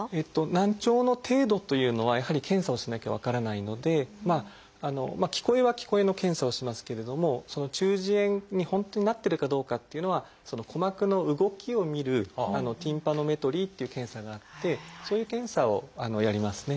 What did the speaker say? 難聴の程度というのはやはり検査をしなきゃ分からないので聞こえは聞こえの検査をしますけれども中耳炎に本当になってるかどうかっていうのは鼓膜の動きを見る「ティンパノメトリー」っていう検査があってそういう検査をやりますね。